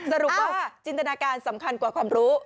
สรุปว่าจินตนาการสำคัญกว่าความรู้